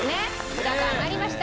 札が上がりました。